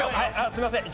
すいません